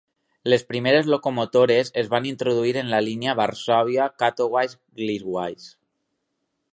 Les primeres locomotores es van introduir en la línia Varsòvia-Katowice-Gliwice.